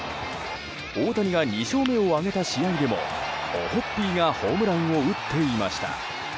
大谷が２勝目を挙げた試合でもオホッピーがホームランを打っていました。